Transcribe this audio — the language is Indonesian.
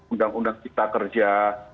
undang undang kita kerja